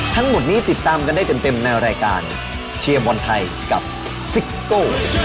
ทั้งหมดนี้ติดตามกันได้เต็มในรายการเชียร์บอลไทยกับซิโก้